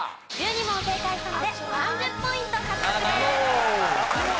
１２問正解したので３０ポイント獲得です。